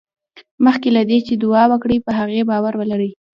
مخکې له دې چې دعا وکړې په هغې باور ولرئ.